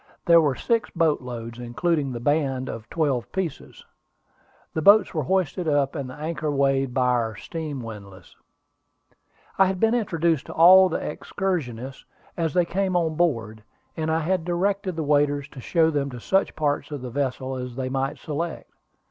There were six boat loads, including the band of twelve pieces. The boats were hoisted up, and the anchor weighed by our steam windlass. I had been introduced to all the excursionists as they came on board, and I had directed the waiters to show them to such parts of the vessel as they might select.